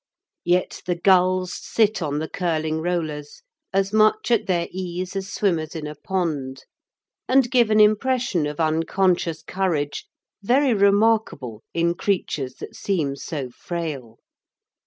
Yet the gulls sit on the curling rollers as much at their ease as swimmers in a pond, and give an impression of unconscious courage very remarkable in creatures that seem so frail.